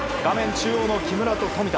中央の木村と富田。